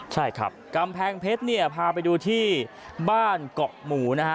ใช่ครับกำแพงเพชรเนี่ยพาไปดูที่บ้านเกาะหมูนะฮะ